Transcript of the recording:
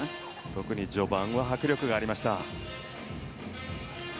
特に序盤は迫力がありました。